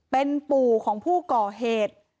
เป็นปู่ของผู้ก่อเหตุ